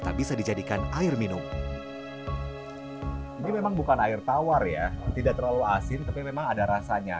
tak bisa dijadikan air minum ini memang bukan air tawar ya tidak terlalu asin tapi memang ada rasanya